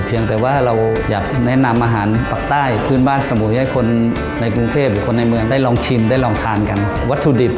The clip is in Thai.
เพียงแต่ว่าเราอยากแนะนำอาหารปากใต้